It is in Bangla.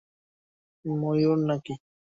ময়ূর, না-কি?